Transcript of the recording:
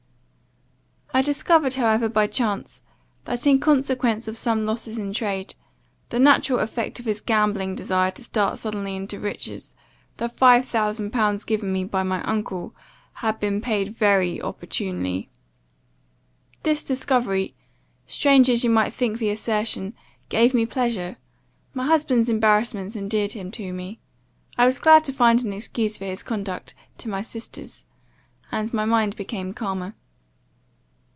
"I discovered however by chance, that, in consequence of some losses in trade, the natural effect of his gambling desire to start suddenly into riches, the five thousand pounds given me by my uncle, had been paid very opportunely. This discovery, strange as you may think the assertion, gave me pleasure; my husband's embarrassments endeared him to me. I was glad to find an excuse for his conduct to my sisters, and my mind became calmer.